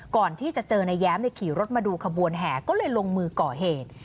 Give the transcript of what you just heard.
ก่อนที่จะเจอนายแย้มขี่รถมาดูขบวนแห่ก็เลยลงมือก่อเหตุ